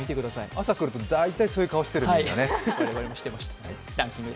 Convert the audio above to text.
朝来ると大体そういう顔してるよね、みんな。